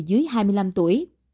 người dưới hai mươi năm tuổi